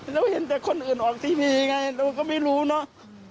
เราเห็นแต่คนอื่นออกทีวีไงเราก็ไม่รู้เนอะ